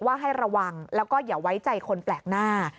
ให้ระวังแล้วก็อย่าไว้ใจคนแปลกหน้า